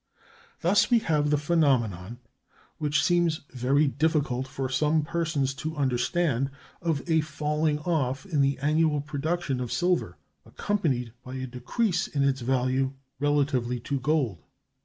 Thus we have the phenomenon—which seems very difficult for some persons to understand—of a falling off in the annual production of silver, accompanied by a decrease in its value relatively to gold.